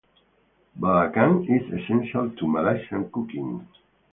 "Belacan" is essential to Malaysian cooking.